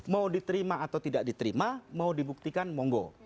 mau diterima atau tidak diterima mau dibuktikan monggo